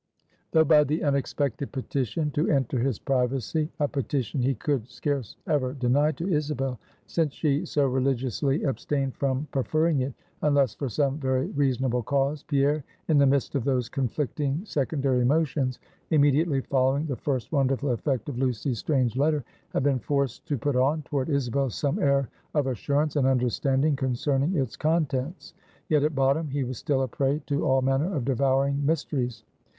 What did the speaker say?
Though by the unexpected petition to enter his privacy a petition he could scarce ever deny to Isabel, since she so religiously abstained from preferring it, unless for some very reasonable cause, Pierre, in the midst of those conflicting, secondary emotions, immediately following the first wonderful effect of Lucy's strange letter, had been forced to put on, toward Isabel, some air of assurance and understanding concerning its contents; yet at bottom, he was still a prey to all manner of devouring mysteries.